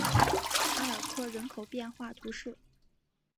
阿尔科人口变化图示